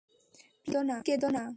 Please কেঁদো না।